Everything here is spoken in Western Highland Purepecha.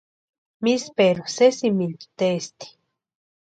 Misperu sesimintu testi.